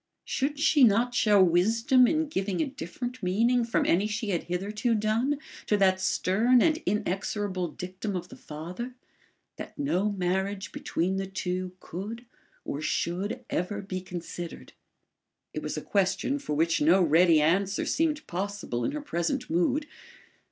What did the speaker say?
Should she not show wisdom in giving a different meaning from any she had hitherto done, to that stern and inexorable dictum of the father, that no marriage between the two could or should ever be considered? It was a question for which no ready answer seemed possible in her present mood.